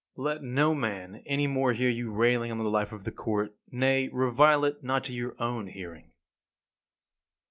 9. Let no man any more hear you railing on the life of the court; nay, revile it not to your own hearing.